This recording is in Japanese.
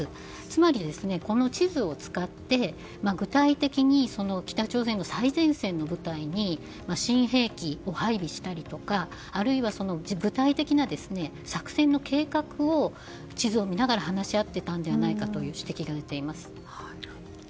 つまり、この地図を使って具体的に北朝鮮の最前線の部隊に新兵器を配備したりあるいは具体的な作戦の計画を、地図を見ながら話し合っていたのではないかという指摘が出ています。